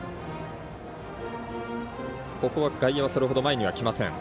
外野はそれほど前にはきません。